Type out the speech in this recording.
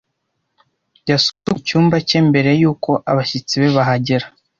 Yasukuye icyumba cye mbere yuko abashyitsi be bahagera.